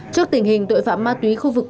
trước tình hình tội phạm ma túy covid